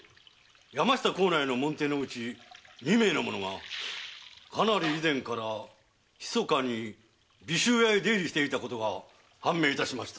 山下幸内の門弟のうち二名の者がかなり以前からひそかに尾州屋へ出入りしていたことが判明致しました。